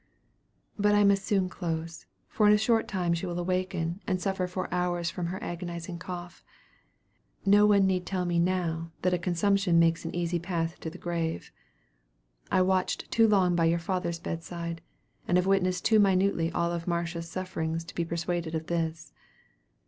"But I must soon close, for in a short time she will awaken, and suffer for hours from her agonizing cough. No one need tell me now that a consumption makes an easy path to the grave. I watched too long by your father's bed side, and have witnessed too minutely all of Marcia's sufferings to be persuaded of this.